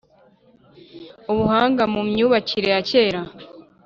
Ubuhanga mu myubakire ya kera